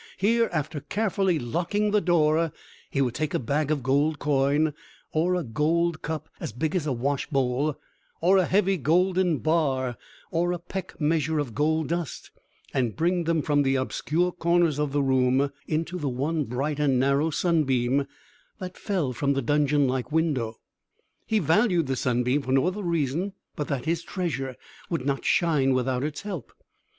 Here, after carefully locking the door, he would take a bag of gold coin, or a gold cup as big as a washbowl, or a heavy golden bar, or a peck measure of gold dust, and bring them from the obscure corners of the room into the one bright and narrow sunbeam that fell from the dungeon like window. He valued the sunbeam for no other reason but that his treasure would not shine without its help.